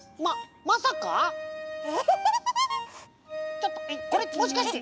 ちょっとこれもしかして。